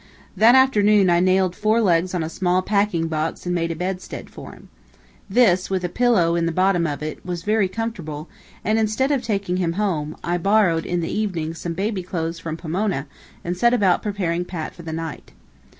That afternoon I nailed four legs on a small packing box and made a bedstead for him. This, with a pillow in the bottom of it, was very comfortable, and instead of taking him home, I borrowed, in the evening, some baby night clothes from Pomona, and set about preparing Pat for the night.